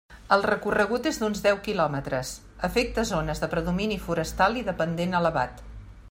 El recorregut és d'uns deu quilòmetres, afecta zones de predomini forestal i de pendent elevat.